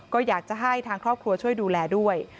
ก็อยากจะให้ทางครอบครัวช่วยดูแลด้วย